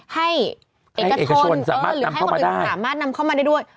ให้เอกชนหรือให้คนอื่นสามารถนำเข้ามาได้ด้วย